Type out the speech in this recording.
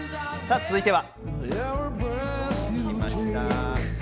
続いては。